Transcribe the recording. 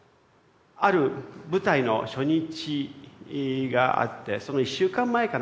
ある舞台の初日があってその１週間前かな。